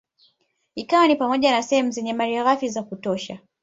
Ikiwa ni pamoja na sehemu zenye malighafi za kutosha